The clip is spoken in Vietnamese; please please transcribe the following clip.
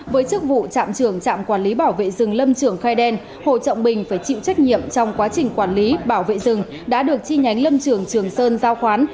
với chức vụ trạm trường trạm quản lý bảo vệ rừng lâm trường khai đen hồ trọng bình phải chịu trách nhiệm trong quá trình quản lý bảo vệ rừng đã được chi nhánh lâm trường trường sơn giao khoán